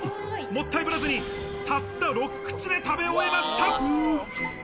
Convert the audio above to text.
もったいぶらずに、たった６口で食べ終えました。